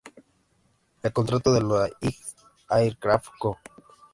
El contrato de la Higgins Aircraft Co.